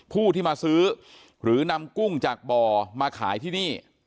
ผู้ที่มาซื้อหรือนำกุ้งจากบ่อมาขายที่นี่